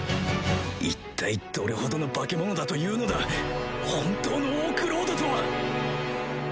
一体どれほどの化け物だというのだ本当のオークロードとは！